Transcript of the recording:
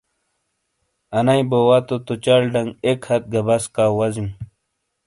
آنئی بوو تو تو چل ڈنگ اک ہتھ گہ بسکاؤ وزیوں۔